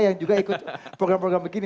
yang juga ikut program program begini